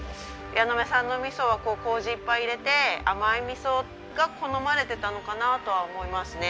矢ノ目さんの味噌は糀いっぱい入れて甘い味噌が好まれていたのかなとは思いますね。